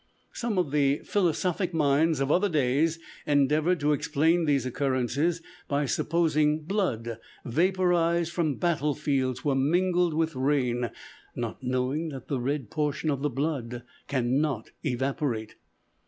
Some of the philosophic minds of other days endeavored to explain these occurrences by supposing blood vaporized from battle fields was mingled with rain, not knowing that the red portion of the blood can not evaporate.